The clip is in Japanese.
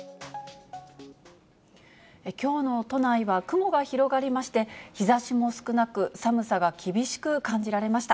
きょうの都内は雲が広がりまして、日ざしも少なく、寒さが厳しく感じられました。